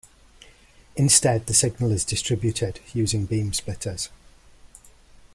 Instead, the signal is distributed using beam splitters.